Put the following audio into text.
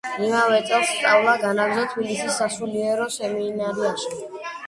იმავე წელს სწავლა განაგრძო თბილისის სასულიერო სემინარიაში.